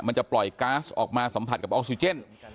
มันจะปล่อยก๊าซออกมาสัมผัสกับออกซิเจน